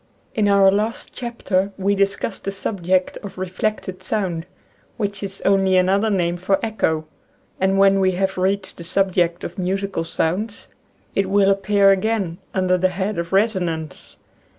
In our last chapter we discussed the subject of reflected sound, which is only another name for Echo, and when we have reached the sub ject of musical sounds it will appear again under the head of Resonance.